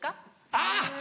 あぁ！